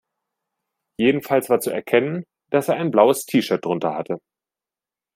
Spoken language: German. Jedenfalls war zu erkennen, dass er ein blaues T-Shirt drunter hatte.